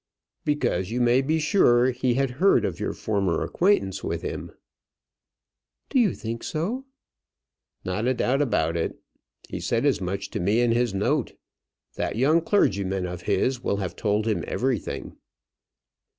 "Because you may be sure he had heard of your former acquaintance with him." "Do you think so?" "Not a doubt about it. He said as much to me in his note. That young clergyman of his will have told him everything.